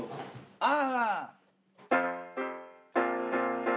ああ。